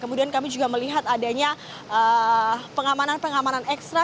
kemudian kami juga melihat adanya pengamanan pengamanan ekstra